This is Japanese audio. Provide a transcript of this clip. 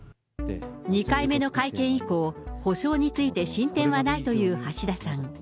２回目の会見以降、補償について進展はないという橋田さん。